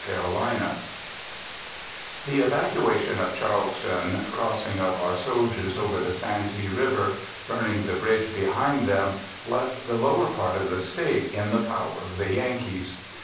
C._) The evacuation of Charleston, crossing of our soldiers over the Santee river, burning the bridge behind them, left the lower part of the State in the power of the Yankees.